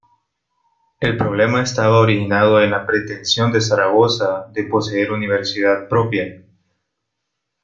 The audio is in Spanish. El problema estaba originado en la pretensión de Zaragoza de poseer universidad propia.